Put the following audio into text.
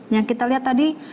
yang kita lihat tadi